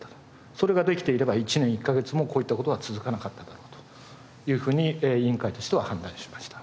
それができていれば１年１カ月もこういった事は続かなかっただろうというふうに委員会としては判断しました。